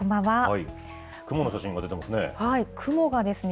雲の写真が出てますね。